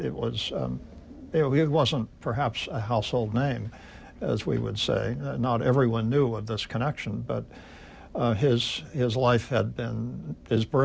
แต่ว่าเด็กเพ้อเพ้าะเป็นกลายเลือดได้ทำหลังสารเดสูญ